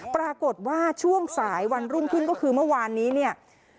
ปรากฏว่าช่วงสายวันรุ่งขึ้นก็คือเมื่อวานนี้เนี่ย